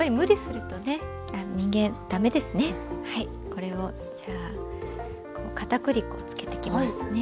これをじゃあかたくり粉をつけていきますね。